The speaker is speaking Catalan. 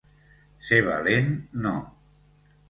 Ser valent no